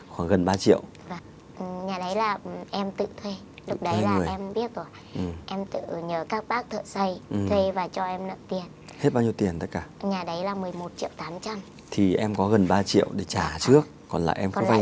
không đến nhà em bảo là này